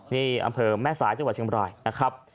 นี่อำเภอแม่สายจังหวัดเชียงบรายนะครับ